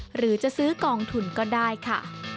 หรือจะซื้อกองทุนก็ได้ค่ะ